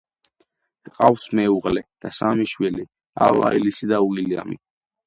ჰყავს მეუღლე და სამი შვილი: ავა, ელისი და უილიამი.